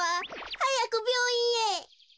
はやくびょういんへ。